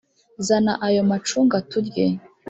zana ayo macunga turye